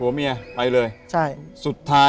ผมก็ไม่เคยเห็นว่าคุณจะมาทำอะไรให้คุณหรือเปล่า